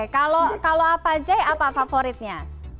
kalau apa jay apa favoritnya